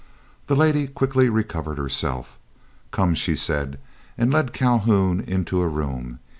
The lady quickly recovered herself. "Come!" she said, and led Calhoun into a room.